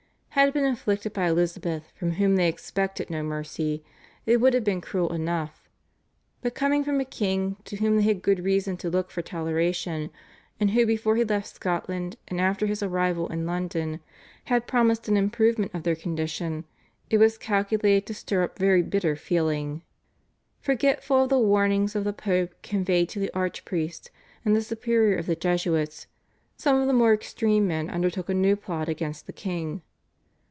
Had it been inflicted by Elizabeth from whom they expected no mercy, it would have been cruel enough; but coming from a king, to whom they had good reason to look for toleration, and who before he left Scotland and after his arrival in London had promised an improvement of their condition, it was calculated to stir up very bitter feeling. Forgetful of the warnings of the Pope conveyed to the archpriest and the superior of the Jesuits, some of the more extreme men undertook a new plot against the king.